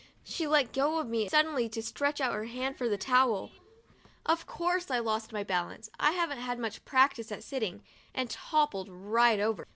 She let go of me suddenly to stretch out her hand for the towel ; of course, I lost my balance — I haven't had much practice at sitting — and toppled right over.